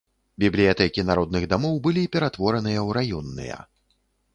Бібліятэкі народных дамоў былі ператвораныя ў раённыя.